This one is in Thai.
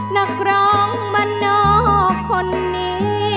นักร้องบ้านนอกคนนี้